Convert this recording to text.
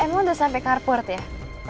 emang udah sampe carport ya